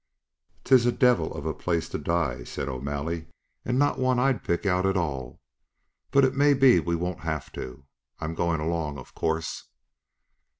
"'Tis a divil of a place to die," said O'Malley, "and not one I'd pick out at all. But it may be we won't have to. I'm goin' along, of course."